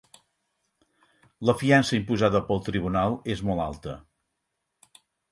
La fiança imposada pel tribunal és molt alta